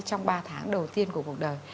trong ba tháng đầu tiên của cuộc đời